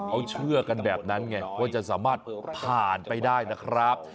เขาเชื่อกันแบบนั้นไงว่าจะสามารถผ่านไปได้นะครับ